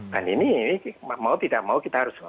dan ini mau tidak mau kita harus